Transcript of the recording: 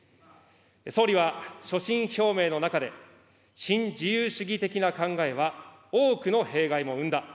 総理は所信表明の中で、新自由主義的な考えは多くの弊害も生んだ。